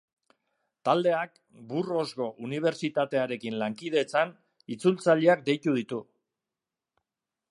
Taldeak, Burgosko Unibertsitatearekin lankidetzan, itzultzaileak deitu ditu.